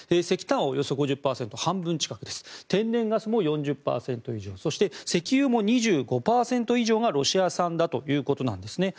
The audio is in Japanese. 石炭およそ５０％、半分近く天然ガスも４０％以上そして石油も２５％以上がロシア産ということです。